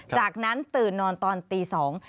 จากนั้นตื่นนอนตอน๐๐๐๐น